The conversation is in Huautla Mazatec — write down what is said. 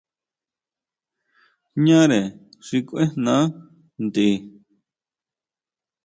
Ñare xi kuijná tʼen.